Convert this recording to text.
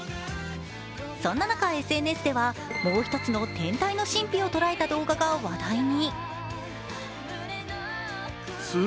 そんな中、ＳＮＳでは、もう一つの天体の神秘を捉えた動画が話題に。